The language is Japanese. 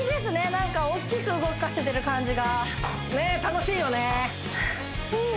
何か大きく動かせてる感じがねえ楽しいよね